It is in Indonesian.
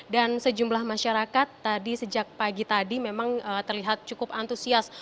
dan sejumlah masyarakat tadi sejak pagi tadi memang terlihat cukup antusias